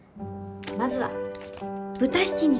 まずは豚ひき肉。